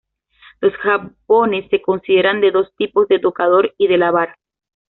Los jabones se consideran de dos tipos: de tocador y de lavar.